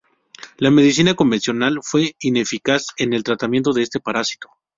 La medicina convencional fue ineficaz en el tratamiento de este parásito.